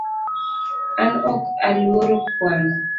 An ok aluoro kwano